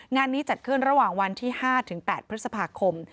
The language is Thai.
งานนี้จัดเคลื่อนระหว่างวันที่๕ถึง๘พฤษภาคม